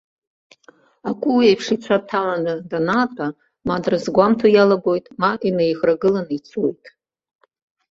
Акәуеиԥш ицәа дҭаланы данаатәа ма дрызгәамҭо иалагоит, ма инаиӷрагыланы ицоит.